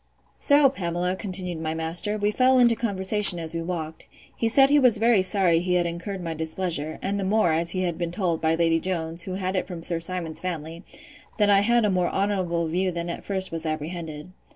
So, Pamela, continued my master, we fell into conversation as we walked. He said he was very sorry he had incurred my displeasure; and the more, as he had been told, by Lady Jones, who had it from Sir Simon's family, that I had a more honourable view than at first was apprehended.